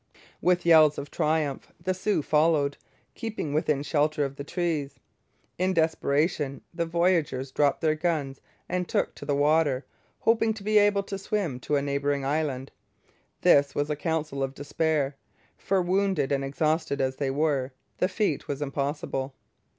With yells of triumph the Sioux followed, keeping within shelter of the trees. In desperation the voyageurs dropped their guns and took to the water, hoping to be able to swim to a neighbouring island. This was a counsel of despair, for wounded and exhausted as they were, the feat was impossible.